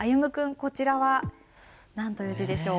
こちらは何という字でしょう？